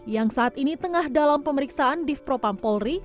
yang saat ini tengah dalam pemeriksaan difpropam polri